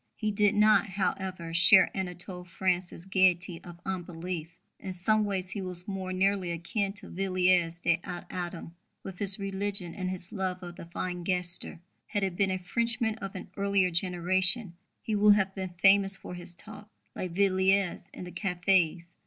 He did not, however, share Anatole France's gaiety of unbelief. In some ways he was more nearly akin to Villiers de l'Isle Adam, with his religion and his love of the fine gesture. Had he been a Frenchman of an earlier generation, he would have been famous for his talk, like Villiers, in the cafés.